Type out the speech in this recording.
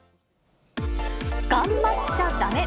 頑張っちゃダメ！